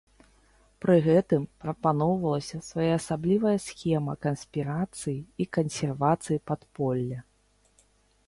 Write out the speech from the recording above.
Пры гэтым прапаноўвалася своеасаблівая схема канспірацыі і кансервацыі падполля.